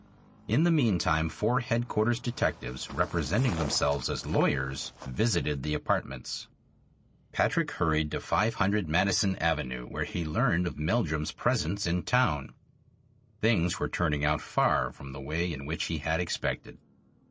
In the meantime four Headquarters' detectives, representing themselves as lawyers, visited the apartments. Patrick hurried to 500 Madison Avenue, where he learned of Meldrum's presence in town. Things were turning out far from the way in which he had expected.